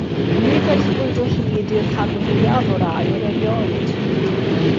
Ni ddaethpwyd o hyd i'r rhan fwyaf o'r aur erioed.